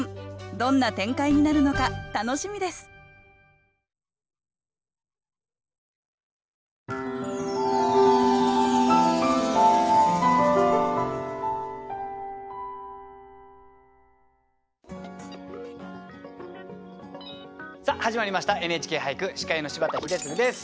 どんな展開になるのか楽しみです始まりました「ＮＨＫ俳句」司会の柴田英嗣です。